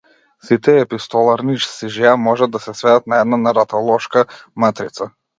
Сите епистоларни сижеа можат да се сведат на една наратолошка матрица.